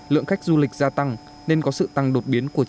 lượng khách du lịch gia tăng nên có sự tăng đột biến